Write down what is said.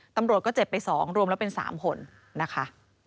ตำรวจก็เจ็บไป๒รวมแล้วเป็น๓คนนะคะ